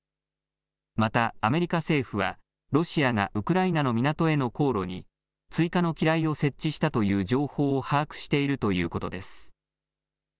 また、アメリカ政府は、ロシアがウクライナ港への航路に、追加の機雷を設置したという情報を把握しているということです。